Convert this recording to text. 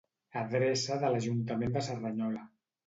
Adreça de l'Ajuntament de Cerdanyola.